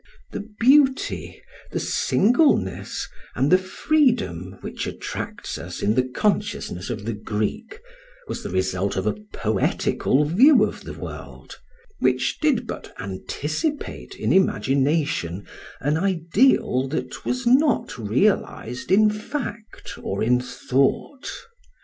The beauty, the singleness, and the freedom which attracts us in the consciousness of the Greek was the result of a poetical view of the world, which did but anticipate in imagination an ideal that was not realised in fact or in thought.